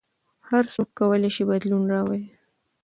هر څوک کولای شي بدلون راولي.